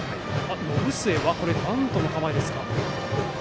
延末はバントの構えですか。